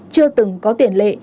chưa từng có tuyển lệ